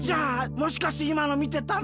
もしかしていまのみてたの？みてたよ。